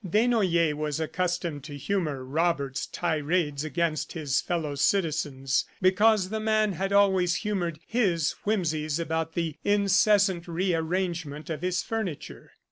Desnoyers was accustomed to humor Robert's tirades against his fellow citizens because the man had always humored his whimseys about the incessant rearrangement of his furniture.